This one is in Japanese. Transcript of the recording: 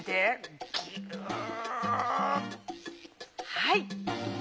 はい。